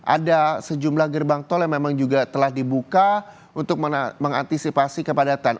ada sejumlah gerbang tol yang memang juga telah dibuka untuk mengantisipasi kepadatan